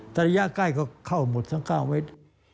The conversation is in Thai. แต่ระยะใกล้ก็เข้าหมดทั้ง๙เมตร